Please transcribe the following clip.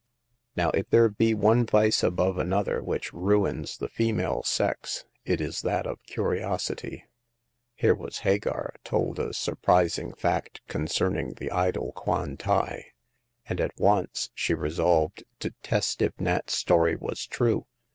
Now, if there be one vice above another which ruins the female sex, it is that of curiosity. Here was Hagar told a surprising fact concerning the idol Kwan tai, and at once she t^solv^dl^\.^%^w^ i 92 Hagar of the Pawn Shop. Nat's story was true.